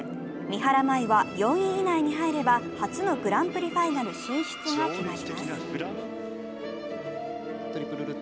三原舞依は４位以内に入れば初のグランプリファイナル進出が決まります。